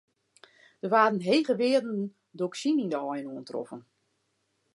Der waarden hege wearden dioksine yn de aaien oantroffen.